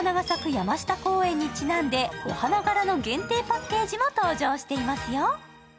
山下公園にちなんで、お花柄の限定パッケージも登場していますよ。